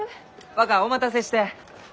若お待たせして。